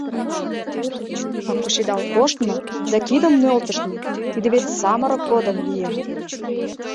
А кучедал коштмо да кидым нӧлтыштмӧ — тиде вет самырык годым лийын.